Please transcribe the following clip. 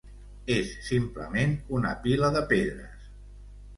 És simplement una pila de pedres.